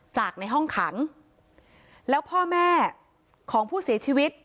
จากในห้องขังแล้วพ่อแม่ของผู้เสียชีวิต